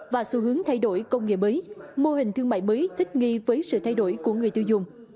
và xu hướng thay đổi công nghệ mới mô hình thương mại mới thích nghi với sự thay đổi của người tiêu dùng